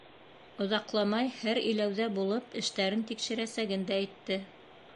Оҙаҡламай һәр иләүҙә булып, эштәрен тикшерәсәген дә әйтте.